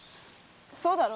そうだろ？